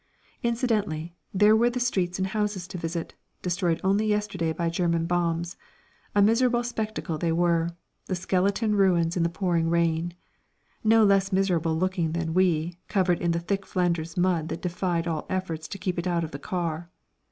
Incidentally, there were the streets and houses to visit, destroyed only yesterday by German bombs. A miserable spectacle they were, the skeleton ruins in the pouring rain; no less miserable looking than we, covered in the thick Flanders mud that defied all efforts to keep it out of the car.